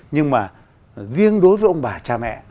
nhưng mà riêng đối với ông bà cha mẹ